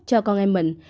cho con em mình